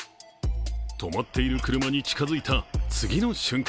止まっている車に近づいた次の瞬間